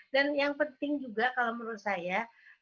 yang penting juga kalau menurut saya